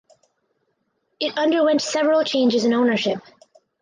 It underwent several changes in ownership.